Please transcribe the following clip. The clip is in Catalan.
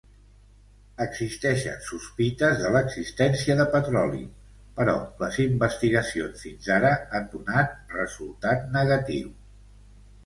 Existeixen sospites de l'existència de petroli, però les investigacions fins ara han donat resultat negatiu.